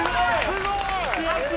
すごい。